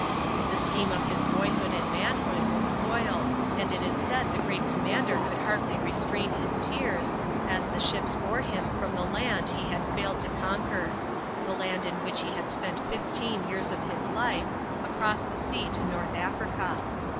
The scheme of his boyhood and manhood was spoiled, and it is said the great commander could hardly restrain his tears, as the ships bore him from the land, he had failed to conquer the land in which he had spent fifteen years of his life across the sea to North Africa.